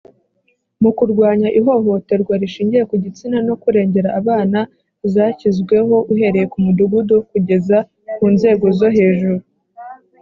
mu kurwanya ihohoterwa rishingiye ku gitsina no kurengera abana, zashyizweho uhereye ku mudugudu kugeza ku nzego zo hejuru